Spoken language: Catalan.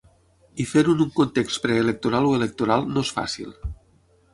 I fer-ho en un context preelectoral o electoral no és fàcil.